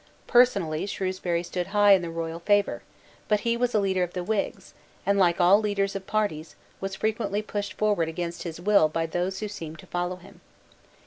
Personally Shrewsbury stood high in the royal favour: but he was a leader of the Whigs, and, like all leaders of parties, was frequently pushed forward against his will by those who seemed to follow him.